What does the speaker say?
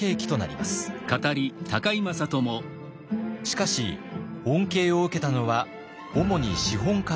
しかし恩恵を受けたのは主に資本家でした。